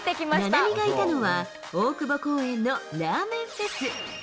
菜波がいたのは、大久保公園のラーメンフェス。